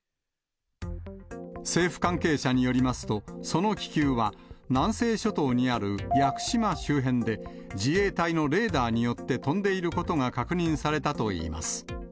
政府関係者によりますと、その気球は、南西諸島にある屋久島周辺で、自衛隊のレーダーによって、飛んでいることが確認されたといいます。